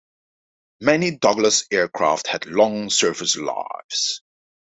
Many Douglas aircraft had long service lives.